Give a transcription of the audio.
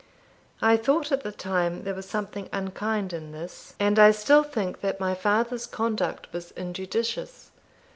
I thought at the time there was something unkind in this; and I still think that my father's conduct was injudicious.